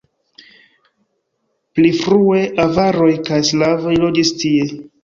Pli frue avaroj kaj slavoj loĝis tie.